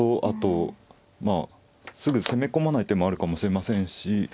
あとすぐ攻め込まない手もあるかもしれませんし。